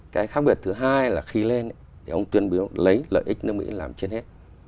cái khác biệt thứ hai là khi lên thì ông tuyên bố lấy lợi ích nước mỹ làm trên hết